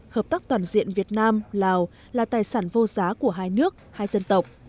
hợp tác toàn diện việt nam lào là tài sản vô giá của hai nước hai dân tộc